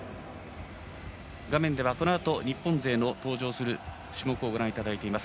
画面ではこのあと日本勢の登場する種目をご覧いただいています。